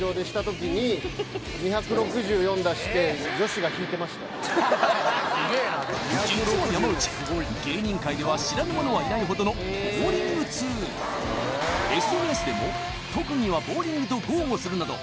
真ん中いったおおっ実は山内芸人界では知らぬ者はいないほどのボウリング通ＳＮＳでも特技はボウリングと豪語するなど